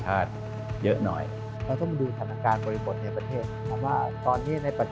ไหนทดสอบการออกที่สุด